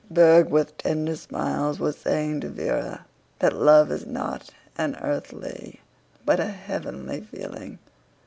Berg with tender smiles was saying to Véra that love is not an earthly but a heavenly feeling.